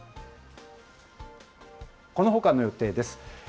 このほかの予定です。